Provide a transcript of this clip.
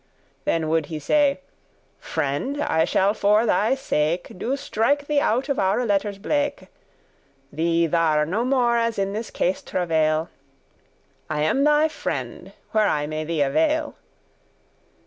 *plunder, pluck Then would he say, "Friend, I shall for thy sake Do strike thee out of oure letters blake;* *black Thee thar* no more as in this case travail; *need I am thy friend where I may thee avail."